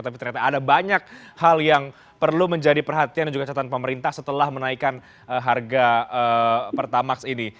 tapi ternyata ada banyak hal yang perlu menjadi perhatian dan juga catatan pemerintah setelah menaikkan harga pertamax ini